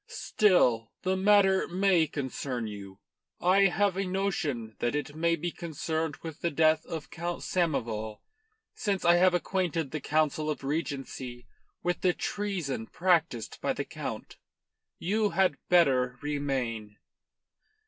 "Still, the matter may concern you. I have a notion that it may be concerned with the death of Count Samoval, since I have acquainted the Council of Regency with the treason practised by the Count. You had better remain."